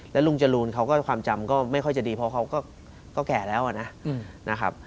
แล้วลุงจรูนเขาก็ความจำก็ไม่ค่อยจะดีเพราะเขาก็แก่แล้วนะครับ